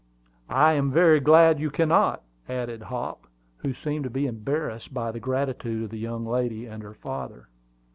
"I am very glad you can not," added Hop, who seemed to be embarrassed by the gratitude of the young lady and her father.